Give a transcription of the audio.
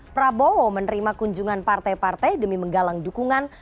prabowo menerima kunjungan partai partai demi menggalang dukungan